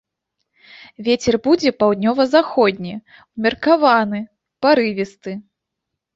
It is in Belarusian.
Вецер будзе паўднёва-заходні, умеркаваны, парывісты.